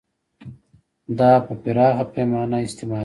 دا په پراخه پیمانه استعمالیږي.